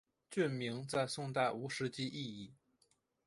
郡名在宋代无实际意义。